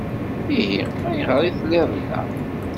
Ihi ayɣer i telliḍ da?